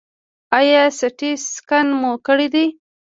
ایا سټي سکن مو کړی دی؟